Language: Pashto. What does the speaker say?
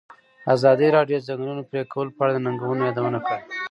ازادي راډیو د د ځنګلونو پرېکول په اړه د ننګونو یادونه کړې.